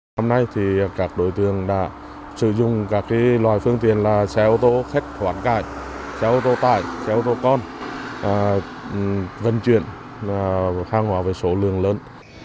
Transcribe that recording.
hôm nay thì các đối tượng đã sử dụng các loại phương tiện là xe ô tô khách hoàn cảnh xe ô tô tải xe ô tô con vận chuyển hàng hóa với số lượng lớn